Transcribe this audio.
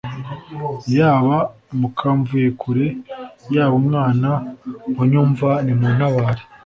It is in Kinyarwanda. yaba mukamvuyekure yaba umwana unyumva nimuntabare